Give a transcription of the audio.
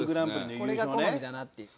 これが好みだなっていう。